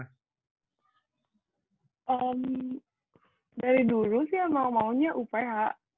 dari dulu sih mau maunya uph